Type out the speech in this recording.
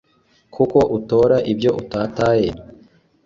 kuko utora ibyo utataye